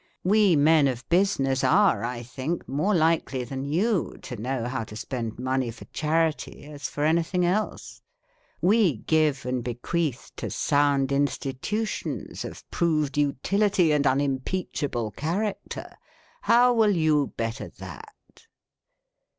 We men of business are, I think, more likely than you to know how to spend money for charity as for anything else. We give and bequeath to sound institutions of proved utility and unimpeachable char acter. How will you better that